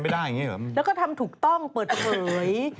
ใช่พี่มามม่อยังไงพี่